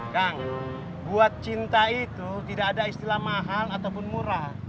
kang buat cinta itu tidak ada istilah mahal ataupun murah